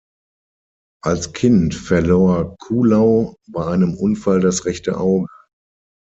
Als Kind verlor Kuhlau bei einem Unfall das rechte Auge.